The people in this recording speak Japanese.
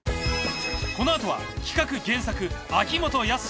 このあとは企画・原作秋元康。